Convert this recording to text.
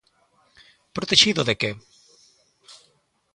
¿Protexido de que?